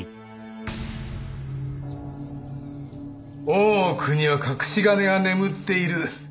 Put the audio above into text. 大奥には隠し金が眠っている。